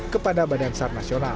kepada badan sar nasional